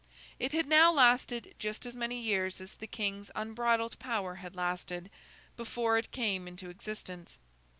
It had now lasted just as many years as the King's unbridled power had lasted, before it came into existence.